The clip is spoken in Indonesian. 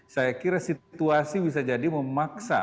saya kira situasi bisa jadi memaksa